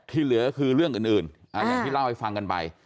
เหลือคือเรื่องอื่นอย่างที่เล่าให้ฟังกันไป